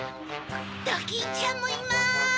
ドキンちゃんもいます！